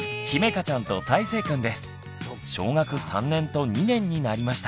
小学３年と２年になりました。